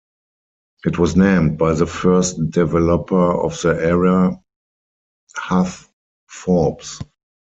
It was named by the first developer of the area, Hugh Forbes.